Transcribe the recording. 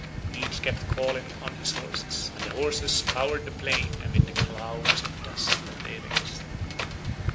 Each kept calling on his horses, and the horses scoured the plain amid the clouds of dust that they raised.